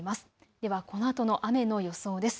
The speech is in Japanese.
ではこのあとの雨の予想です。